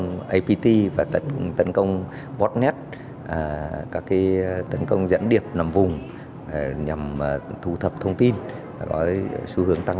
của apt và tấn công botnet các tấn công giãn điệp nằm vùng nhằm thu thập thông tin có xu hướng tăng